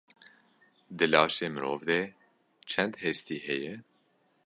Di laşê mirov de çend hestî heye?